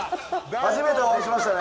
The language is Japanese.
初めてお会いしましたね。